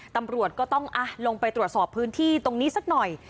ตำรวจก็ต้องลงไปตรวจสอบพื้นที่ตรงนี้สักหน่อย